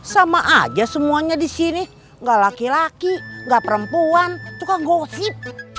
sama aja semuanya di sini nggak laki laki nggak perempuan suka gosip